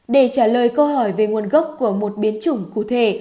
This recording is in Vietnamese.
để trả lời câu hỏi về nguồn gốc của một biến chủng cụ thể